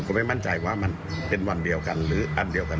บอกว่าเราจะได้ใครลนเนี่ยเป็นเสียงเดียวกันไหมครับ